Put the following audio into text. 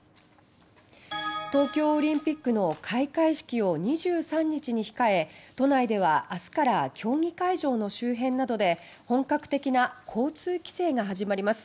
東京オリンピックの開会式を２３日に控え都内ではあすから競技会場の周辺などで本格的な交通規制が始まります。